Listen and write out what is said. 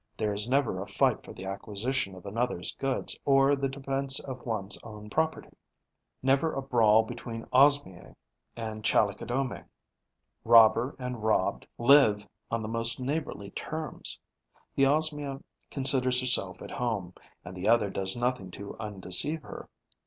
There is never a fight for the acquisition of another's goods or the defence of one's own property; never a brawl between Osmiae and Chalicodomae. Robber and robbed live on the most neighbourly terms. The Osmia considers herself at home; and the other does nothing to undeceive her.